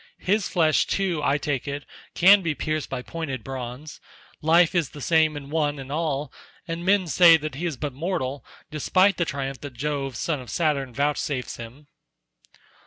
His flesh too, I take it, can be pierced by pointed bronze. Life is the same in one and all, and men say that he is but mortal despite the triumph that Jove son of Saturn vouchsafes him."